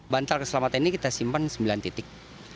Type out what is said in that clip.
bantal keselamatan ini kita simpan sembilan titik